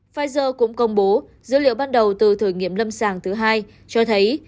pfizer cũng công bố dữ liệu ban đầu từ thử nghiệm lâm sàng thứ hai cho thấy